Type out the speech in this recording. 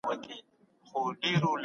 ګل بې کماله دی پر څنګ باندي چي خار نه لري